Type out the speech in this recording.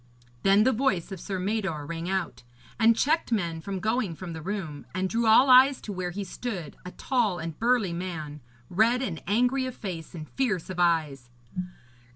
Then the voice of Sir Mador rang out, and checked men from going from the room, and drew all eyes to where he stood, a tall and burly man, red and angry of face, and fierce of eyes.